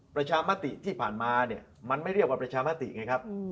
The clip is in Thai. ประชามติที่ผ่านมาเนี่ยมันไม่เรียกว่าประชามติไงครับ